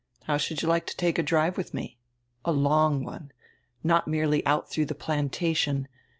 How should you like to take a drive with me? A long one, not merely out through the "Plantation."